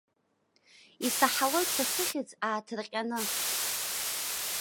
Исаҳалоит са сыхьӡ ааҭырҟьаны.